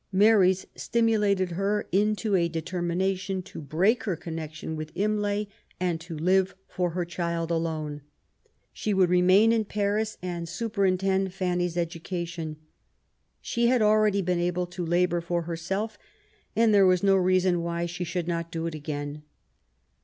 Mary's stimu lated her into a determination to break her connection with Imlay, and to live for her child alone. She would remain in Paris and superintend Fann/s education. She had already been able to labour for herself, and there was no reason why she should not do it again.